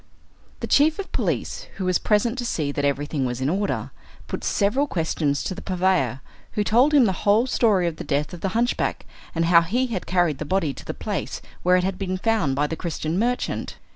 The chief of police, who was present to see that everything was in order, put several questions to the purveyor, who told him the whole story of the death of the hunchback, and how he had carried the body to the place where it had been found by the Christian merchant.